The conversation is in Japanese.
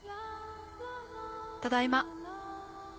ただいま。